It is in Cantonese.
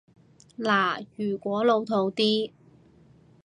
嗱，如果老套啲